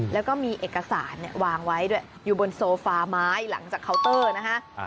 แล้วก็มีเอกสารวางไว้ด้วยอยู่บนโซฟาไม้หลังจากเคาน์เตอร์นะฮะ